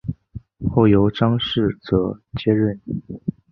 后由张世则接任。